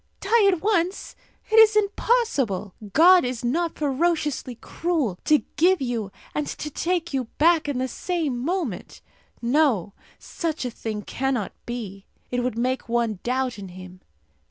Die at once! It is impossible! God is not ferociously cruel to give you and to take you back in the same moment. No; such a thing cannot be. It would make one doubt in Him.